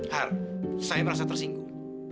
har saya merasa tersinggung